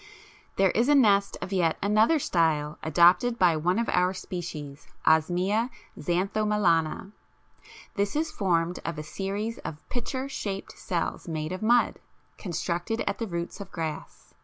There is a nest of yet another style adopted by one of our species (Osmia xanthomelana). This is formed of a series of pitcher shaped cells made of mud, constructed at the roots of grass.